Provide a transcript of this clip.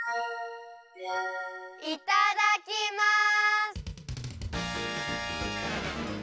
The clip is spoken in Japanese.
いただきます！